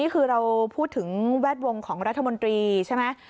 คือเราพูดถึงแวดวงของรัฐมนตรีใช่ไหม